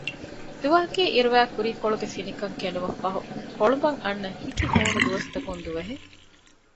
ދުވަހަކީ އިރުވައި ކުރީކޮޅުގެ ފިނިކަން ކެނޑުމަށް ފަހު ކޮޅުނބަށް އަންނަ ހިކި ހޫނު ދުވަސްތަކުން ދުވަހެއް